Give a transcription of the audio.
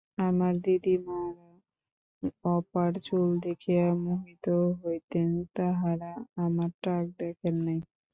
আমার দিদিমারা অপার চুল দেখিয়া মোহিত হইতেন, তাঁহারা আমার টাক দেখেন নাই।